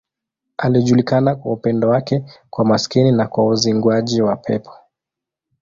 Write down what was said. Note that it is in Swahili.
Alijulikana kwa upendo wake kwa maskini na kwa uzinguaji wa pepo.